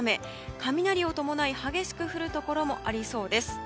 雷を伴い激しく降るところもありそうです。